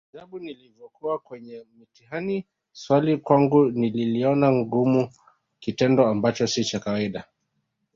Ajabu nilivokuwa kwenye mtihani kila swali kwangu nililiona gumu kitendo Ambacho si cha kawaida